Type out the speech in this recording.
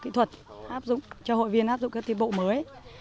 kỹ thuật áp dụng cho hội viên áp dụng các tiến bộ mới